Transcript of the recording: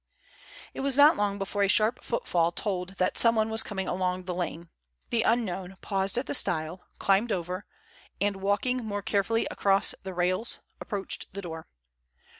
It was not long before a sharp footfall told that someone was coming along the lane. The unknown paused at the stile, climbed over; and, walking more carefully across the rails, approached the door.